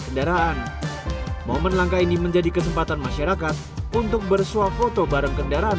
kendaraan momen langka ini menjadi kesempatan masyarakat untuk bersuap foto bareng kendaraan